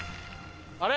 あれ？